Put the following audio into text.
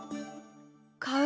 買う！